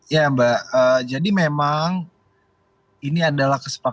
ya mbak jadi memang ini adalah kesepakatan